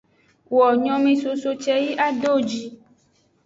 Wo nyomesoso ce yi ado wo ji.